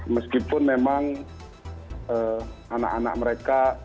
meskipun memang anak anak mereka